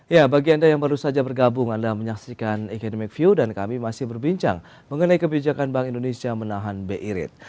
ya bagi anda yang baru saja bergabung anda menyaksikan academic view dan kami masih berbincang mengenai kebijakan bank indonesia menahan bi rate